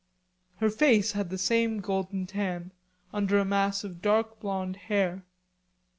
Her face had the same golden tan under a mass of dark blonde hair.